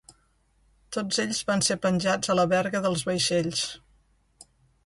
Tots ells van ser penjats a la verga dels vaixells.